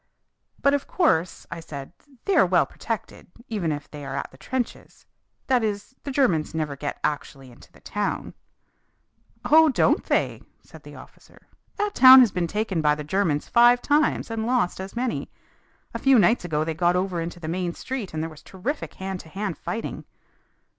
"But of course," I said, "they are well protected, even if they are at the trenches. That is, the Germans never get actually into the town." "Oh, don't they?" said the officer. "That town has been taken by the Germans five times and lost as many. A few nights ago they got over into the main street and there was terrific hand to hand fighting."